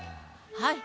はい。